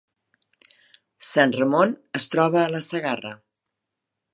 Sant Ramon es troba a la Segarra